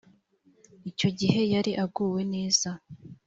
icyo gihe yari aguwe neza